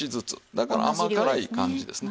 だから甘辛い感じですね。